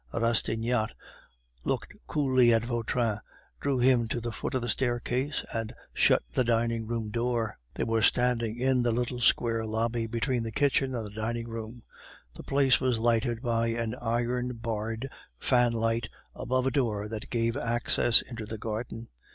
Rastignac looked coolly at Vautrin, drew him to the foot of the staircase, and shut the dining room door. They were standing in the little square lobby between the kitchen and the dining room; the place was lighted by an iron barred fanlight above a door that gave access into the garden.